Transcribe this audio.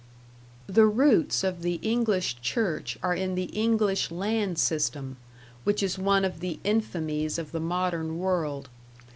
The roots of the English Church are in the English land system, which is one of the infamies of the modern world.